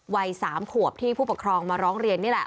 วัย๓ขวบที่ผู้ปกครองมาร้องเรียนนี่แหละ